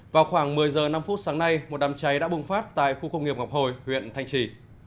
vào khoảng một mươi h năm sáng nay một đám cháy đã bùng phát tại khu công nghiệp ngọc hồi huyện thanh trì